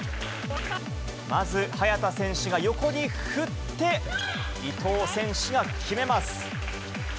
まず、早田選手が横に振って、伊藤選手が決めます。